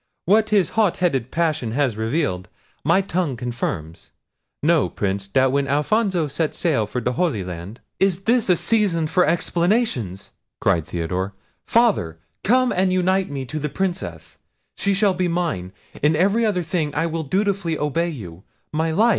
What his hot headed passion has revealed, my tongue confirms. Know, Prince, that when Alfonso set sail for the Holy Land—" "Is this a season for explanations?" cried Theodore. "Father, come and unite me to the Princess; she shall be mine! In every other thing I will dutifully obey you. My life!